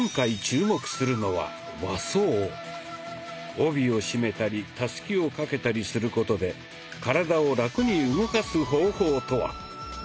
帯を締めたりたすきを掛けたりすることで体をラクに動かす方法とは！